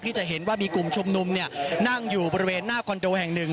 จะเห็นว่ามีกลุ่มชุมนุมนั่งอยู่บริเวณหน้าคอนโดแห่งหนึ่ง